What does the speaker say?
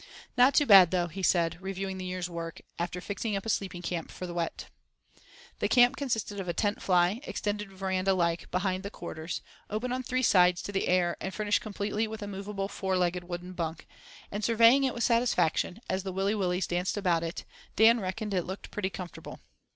"Not too bad, though," he said, reviewing the years work, after fixing up a sleeping camp for the Wet. The camp consisted of a tent fly, extended verandah like behind the Quarters, open on three sides to the air and furnished completely with a movable four legged wooden bunk: and surveying it with satisfaction, as the Willy Willys danced about it, Dan reckoned it looked pretty comfortable.